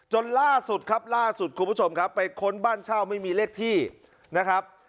จนล่าสุดครับล่าสุดคุณผู้ชมครับไปค้นบ้านเช่าไม่มีเลขที่นะครับ